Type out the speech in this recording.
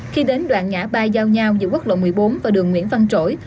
khi đến đoạn ngã ba giao nhau giữa quốc lộ một mươi bốn và đường nguyễn văn trỗi